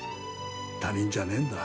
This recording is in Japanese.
他人じゃねんだ。